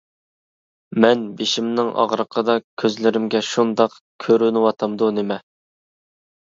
مەن بېشىمنىڭ ئاغرىقىدا كۆزلىرىمگە شۇنداق كۆرۈنۈۋاتامدۇ نېمە؟ !